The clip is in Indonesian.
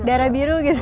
darah biru gitu